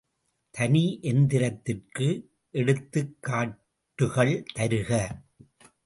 தனி எந்திரத்திற்கு எடுத்துக்காட்டுகள் தருக.